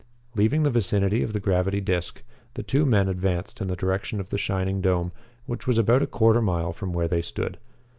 Leaving the vicinity of the gravity disc, the two men advanced in the direction of the shining dome, which was about a quarter mile from where they stood.